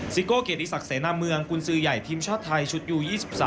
โก้เกียรติศักดิเสนาเมืองกุญสือใหญ่ทีมชาติไทยชุดยู๒๓